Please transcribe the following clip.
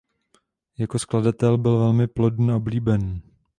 Jako skladatel byl velmi plodný a oblíbený.